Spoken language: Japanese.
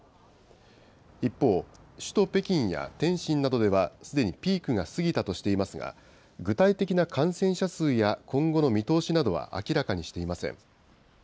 一方、首都北京や天津などではすでにピークが過ぎたとしていますが、具体的な感染者数や今後の見通しなどは明らかにしていません。